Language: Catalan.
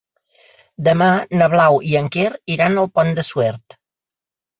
Demà na Blau i en Quer iran al Pont de Suert.